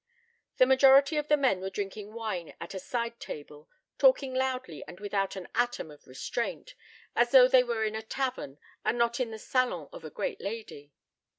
The majority of the men were drinking wine at a side table, talking loudly and without an atom of restraint, as though they were in a tavern and not in the salon of a great lady.